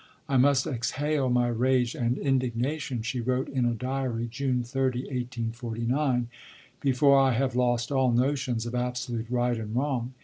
"I must exhale my rage and indignation," she wrote in a diary (June 30, 1849), "before I have lost all notions of absolute right and wrong.